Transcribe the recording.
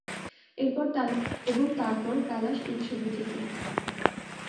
এবং তারপর কালাশ উৎসবে যেতে।